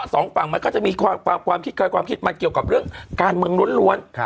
สองฝั่งมันก็จะมีความคิดความคิดมาเกี่ยวกับเรื่องการเมืองล้วน